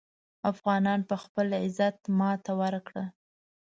افغانانو په خپل غیرت ماته ورکړه.